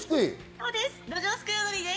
そうです。